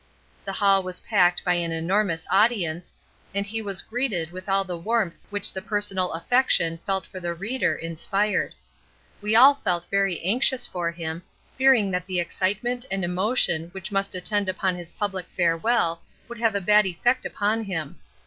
The hall was packed by an enormous audience, and he was greeted with all the warmth which the personal affection felt for the reader inspired. We all felt very anxious for him, fearing that the excitement and emotion which must attend upon his public farewell would have a bad effect upon him.